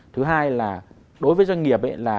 thứ hai là đối với doanh nghiệp